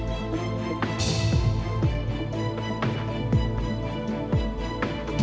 หรือแครงเคียว